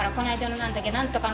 なんとかの？